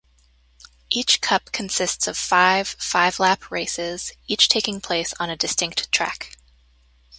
Each cup consists of five five-lap races, each taking place on a distinct track.